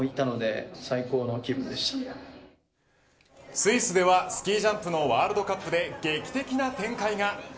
スイスではスキージャンプのワールドカップで劇的な展開が。